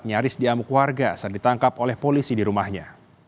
nyaris diamuk warga saat ditangkap oleh polisi di rumahnya